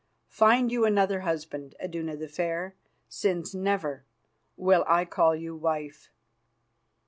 Find you another husband, Iduna the Fair, since never will I call you wife."